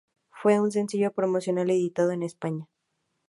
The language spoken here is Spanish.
Fue un sencillo promocional editado en España.